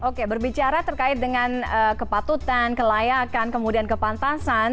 oke berbicara terkait dengan kepatutan kelayakan kemudian kepantasan